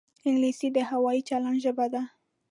انګلیسي د هوايي چلند ژبه ده